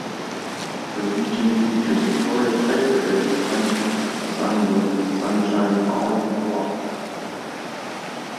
The region features a torrid, hyper-arid climate with unbroken sunshine all year-long.